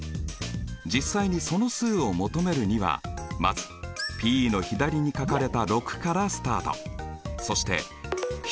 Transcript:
実際にその数を求めるにはまずＰの左に書かれた６からスタート。